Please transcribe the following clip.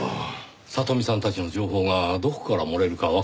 里美さんたちの情報がどこから漏れるかわかりませんからねぇ。